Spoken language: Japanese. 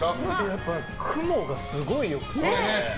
やっぱ雲がすごい良くて。